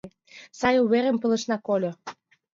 Сай уверым пылышна кольо